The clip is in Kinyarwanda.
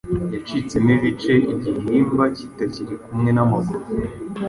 yacitsemo ibice igihimba kitakiri kumwe n'amaguru.